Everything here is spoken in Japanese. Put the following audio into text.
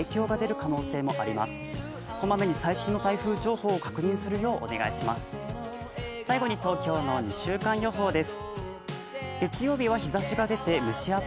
こまめに最新の台風情報を確認するようお願いします。